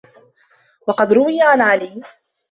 وَقَدْ رُوِيَ عَنْ عَلِيٍّ